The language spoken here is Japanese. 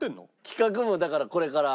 企画もだからこれから。